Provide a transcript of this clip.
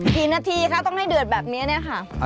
กี่นาทีคะต้องให้เดือดแบบนี้เนี่ยค่ะ